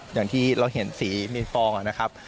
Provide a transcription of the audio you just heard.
อย่างที่เราเห็นสีมีฟองนะครับ